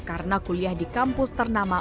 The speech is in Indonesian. karena kuliah di kampus ternama